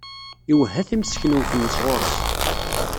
Iwehha timseknewt-nnes ɣur-s.